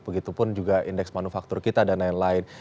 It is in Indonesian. begitupun juga indeks manufaktur kita dan lain lain